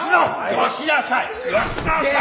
よしなさい！